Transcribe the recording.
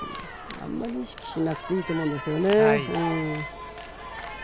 あんまり意識しなくていいと思うんですよね。